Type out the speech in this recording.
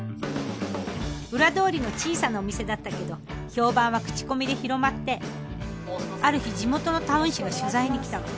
裏通りの小さなお店だったけど評判は口コミで広まってある日地元のタウン誌が取材に来たの。